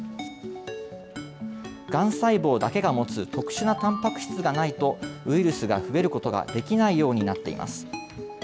がん細胞だけが持つ特殊なたんぱく質がないと、ウイルスが増えることができないようになっています。